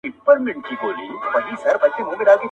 ویل خیر کړې درته څه پېښه ده ګرانه -